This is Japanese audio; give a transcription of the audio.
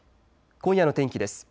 今夜の天気です。